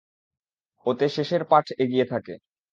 ওতে শেষের পাঠ এগিয়ে থাকে।